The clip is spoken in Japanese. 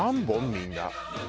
みんな。